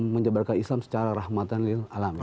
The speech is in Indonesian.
menyebarkan islam secara rahmatan dan alami